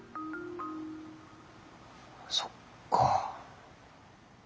そっか。